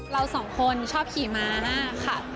เราสองคนชอบขี่ม้ามากค่ะ